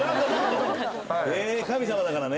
神様だからね。